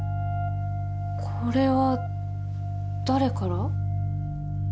これは誰から？